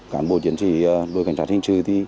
cán bộ chiến sĩ đội cảnh sát hình sự